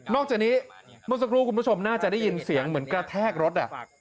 นอกจากนี้บริษัทครูคุณผู้ชมน่าจะได้ยินเสียงเหมือนกระแทกรถอ่ะ